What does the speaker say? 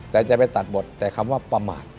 แต่จะไปตัดบทแต่คำว่าประมาท